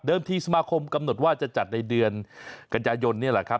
ที่สมาคมกำหนดว่าจะจัดในเดือนกันยายนนี่แหละครับ